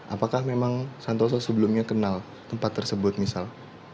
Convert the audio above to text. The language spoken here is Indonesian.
apakah memang santoso sebelumnya kenal tempat tersebut misal